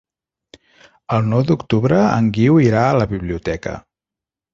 El nou d'octubre en Guiu irà a la biblioteca.